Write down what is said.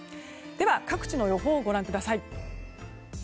各地の予報をご覧ください。